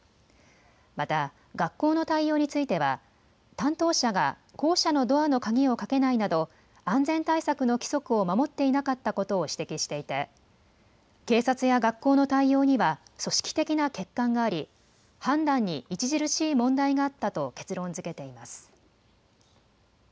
また、学校の対応については担当者が校舎のドアの鍵をかけないなど安全対策の規則を守っていなかったことを指摘していて警察や学校の対応には組織的な欠陥があり判断に著しい問題があったと結論づけています。